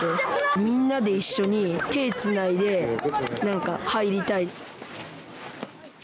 みんなで一緒に手をつないで入りたい。